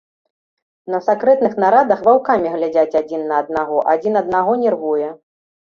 На сакрэтных нарадах ваўкамі глядзяць адзін на аднаго, адзін аднаго нервуе.